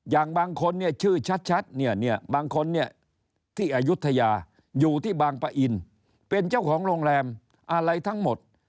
อย่างบางคนเนี่ยชื่อชัดเนี่ยบางคนเนี่ยที่อายุทยาอยู่ที่บางปะอินเป็นเจ้าของโรงแรมอะไรทั้งหมด